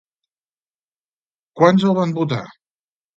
Quants els van votar?